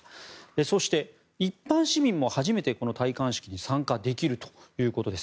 そして、一般市民も初めてこの戴冠式に参加できるということです。